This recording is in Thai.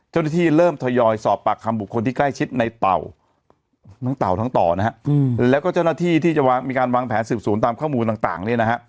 เจ้าหน้าที่เริ่มทยอยสอบปากคำบุคคลที่ใกล้ชิดในเต่าทั้งเต่าทั้งต่อนะฮะแล้วก็เจ้าหน้าที่ที่จะมีการวางแผนสืบสวนตามข้อมูลต่างเนี่ยนะฮะ